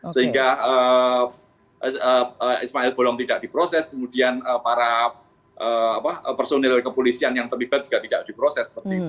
sehingga ismail bolong tidak diproses kemudian para personil kepolisian yang terlibat juga tidak diproses